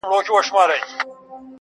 دا سپوږمۍ وينې.